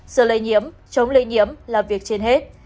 sự lây nhiễm chống lây nhiễm là việc trên hết